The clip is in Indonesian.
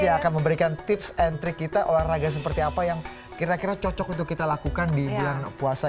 iya akan memberikan tips and trick kita olahraga seperti apa yang kira kira cocok untuk kita lakukan di bulan puasa